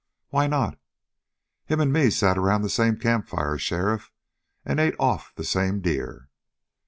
"Why not?" "Him and me sat around the same campfire, sheriff, and ate off'n the same deer."